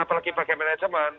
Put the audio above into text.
apalagi bagai manajemen